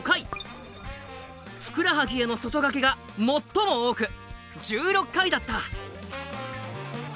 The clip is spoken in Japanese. ふくらはぎへの外掛けが最も多く１６回だった。